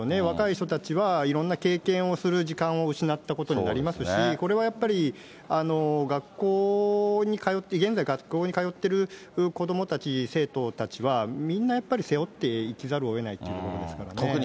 若い人たちはいろんな経験をする時間を失ったこともありますし、これはやっぱり学校に通って、現在学校に通っている子どもたち、生徒たちは、みんなやっぱり背負って生きざるをえないということですからね。